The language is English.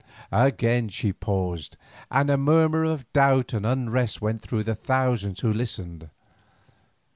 Again she paused, and a murmur of doubt and unrest went through the thousands who listened.